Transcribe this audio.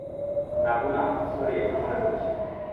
না ভুলবো না সরি এখন মনে পরেছে।